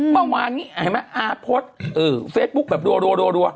เมื่อวานนี้อ่าโพสต์เฟซบุ๊กแบบดัว